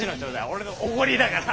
俺のおごりだから。